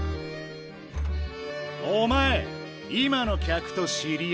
おまえ今の客と知り合いか？